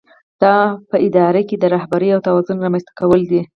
دا په اداره کې د رهبرۍ او توازن رامنځته کول دي.